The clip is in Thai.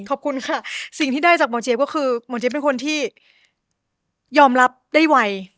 ขอบคุณค่ะสิ่งที่ได้จากหมอเจี๊บก็คือหมอเจี๊บเป็นคนที่ยอมรับได้ไว